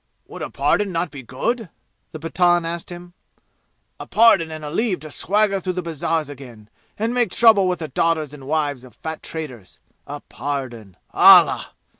"Would a pardon not be good?" the Pathan asked him. "A pardon and leave to swagger through the bazaars again and make trouble with the daughters and wives of fat traders a pardon Allah!